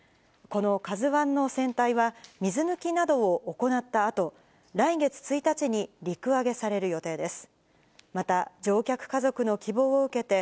このＫＡＺＵＩの船体は、水抜きなどを行ったあと、来月１日に陸揚げされる予定です。